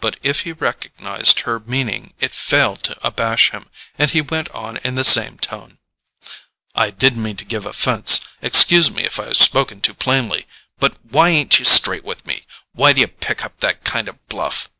But if he recognized her meaning it failed to abash him, and he went on in the same tone: "I didn't mean to give offence; excuse me if I've spoken too plainly. But why ain't you straight with me—why do you put up that kind of bluff?